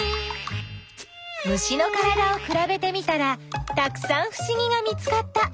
虫のからだをくらべてみたらたくさんふしぎが見つかった。